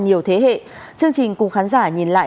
nhiều thế hệ chương trình cùng khán giả nhìn lại